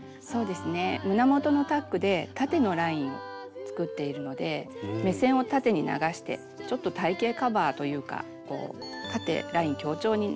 胸元のタックで縦のラインを作っているので目線を縦に流してちょっと体型カバーというか縦ライン強調になっています。